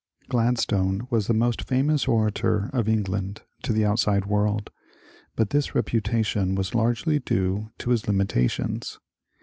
Gladstone was the most famous orator of England to the outside world, but this reputation was largely due to his lim itations.